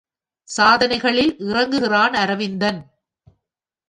சாதனைகளில் இறங்குகிறான் அரவிந்தன்.